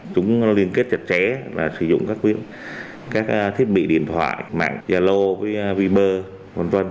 chúng liên kết chặt chẽ và sử dụng các thiết bị điện thoại mạng giả lô vi bơ v v